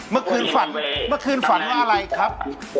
เมื่อคืนฝันเมื่อคืนฝันว่าอะไรครับ